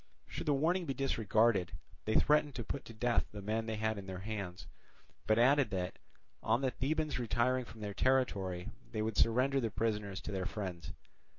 Should the warning be disregarded, they threatened to put to death the men they had in their hands, but added that, on the Thebans retiring from their territory, they would surrender the prisoners to their friends.